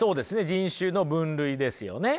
人種の分類ですよね。